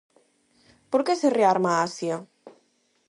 Por que se rearma Asia?